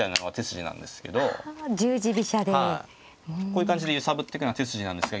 こういう感じで揺さぶっていくのが手筋なんですが現状